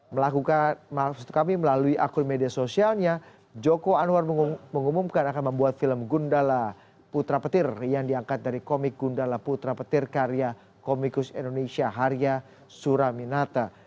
melakukan maaf maksud kami melalui akun media sosialnya joko anwar mengumumkan akan membuat film gundala putra petir yang diangkat dari komik gundala putra petir karya komikus indonesia haria suraminata